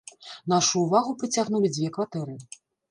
Нашу ўвагу прыцягнулі дзве кватэры.